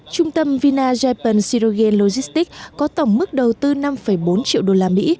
trung tâm vina japan syrogate logistics có tổng mức đầu tư năm bốn triệu đô la mỹ